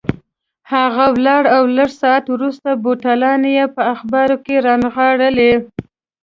هغه ولاړ او لږ ساعت وروسته بوتلان یې په اخبارو کې رانغاړلي.